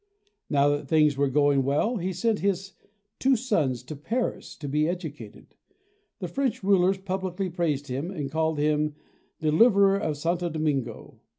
Now that things were going well, he sent his two sons to Paris to be educated. The French rulers publicly praised him and called him the de liverer of Santo Domingo.